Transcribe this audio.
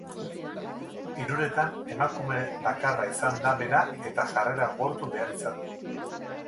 Hiruretan emakume bakarra izan da bera eta jarrera gogortu behar izan du.